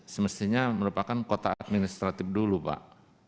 semestinya merupakan kota administratif dulu pak